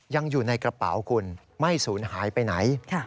ยังอยู่ในกระเป๋าคุณไม่สูญหายไปไหน